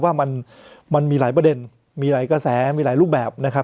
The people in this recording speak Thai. ว่ามันมีหลายประเด็นมีหลายกระแสมีหลายรูปแบบนะครับ